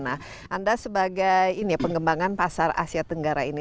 nah anda sebagai ini ya pengembangan pasar asia tenggara ini